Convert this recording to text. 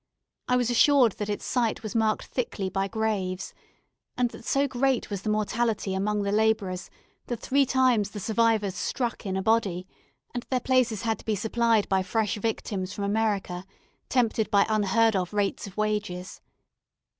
I was assured that its site was marked thickly by graves, and that so great was the mortality among the labourers that three times the survivors struck in a body, and their places had to be supplied by fresh victims from America, tempted by unheard of rates of wages.